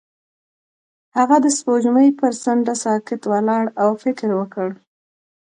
هغه د سپوږمۍ پر څنډه ساکت ولاړ او فکر وکړ.